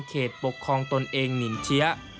เขตปกครองตนเองหนินเจี๊ยะ